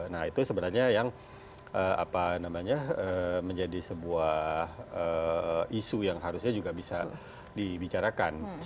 nah itu sebenarnya yang menjadi sebuah isu yang harusnya juga bisa dibicarakan